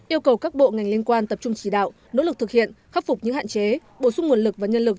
yêu cầu các bộ ngành liên quan tập trung chỉ đạo nỗ lực thực hiện khắc phục những hạn chế bổ sung nguồn lực và nhân lực